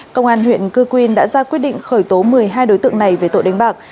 công an huyện cư quyên đã ra quyết định khởi tố một mươi hai đối tượng này về tội đánh bạc